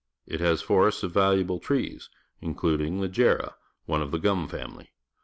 It has fo rests of \"Aluable trees, including t he jar rah — one of the g u m family .